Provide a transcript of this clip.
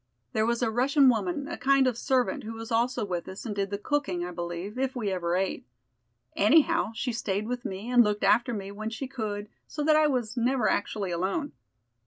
There was a Russian woman, a kind of servant, who was also with us, and did the cooking, I believe, if we ever ate. Anyhow, she stayed with me and looked after me when she could, so that I was never actually alone."